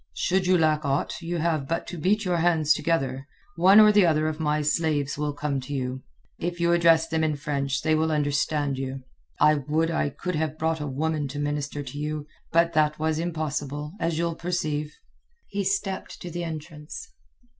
"Should you lack aught you have but to beat your hands together, one or the other of my slaves will come to you. If you address them in French they will understand you. I would I could have brought a woman to minister to you, but that was impossible, as you'll perceive." He stepped to the entrance.